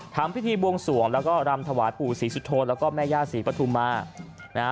ทำพิธีบวงสวงแล้วก็รำถวายปู่ศรีสุโธนแล้วก็แม่ย่าศรีปฐุมานะฮะ